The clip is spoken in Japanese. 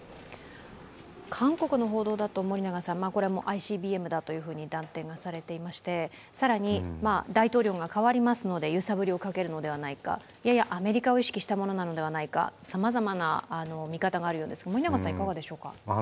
韓国の報道だと、これはＩＣＢＭだと断定がされていまして更に大統領が代わりますので揺さぶりをかけるのではないか、アメリカを意識したものではないかさまざまな見方があるようですが、森永さんはいかがでしょうか。